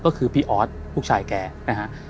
ก็คือพี่ออสลูกชายแกนะฮะ